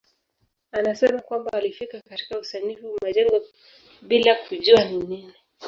Anasema kwamba alifika katika usanifu majengo bila kujua ni nini.